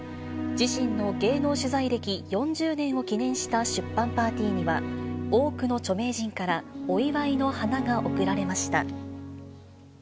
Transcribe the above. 自身の芸能取材歴４０年を記念した出版パーティーには、多くの著名人からお祝いの花が贈られました。